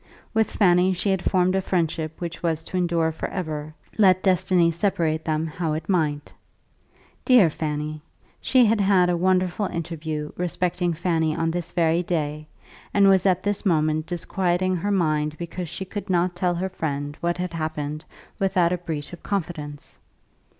With Fanny she had formed a friendship which was to endure for ever, let destiny separate them how it might. Dear Fanny! She had had a wonderful interview respecting Fanny on this very day, and was at this moment disquieting her mind because she could not tell her friend what had happened without a breach of confidence!